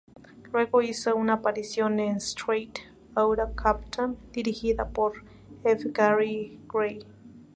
Luego hizo una aparición en "Straight Outta Compton", dirigida por F. Gary Gray.